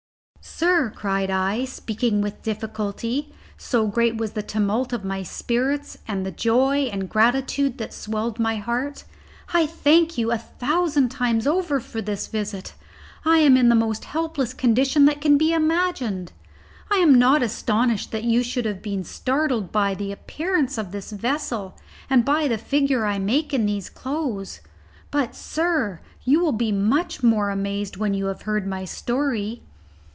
"Sir," cried I, speaking with difficulty, so great was the tumult of my spirits and the joy and gratitude that swelled my heart, "I thank you a thousand times over for this visit. I am in the most helpless condition that can be imagined. I am not astonished that you should have been startled by the appearance of this vessel and by the figure I make in these clothes, but, sir, you will be much more amazed when you have heard my story."